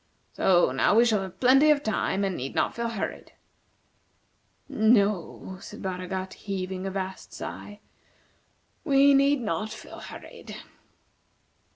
So now we shall have plenty of time, and need not feel hurried." "No," said Baragat, heaving a vast sigh, "we need not feel hurried."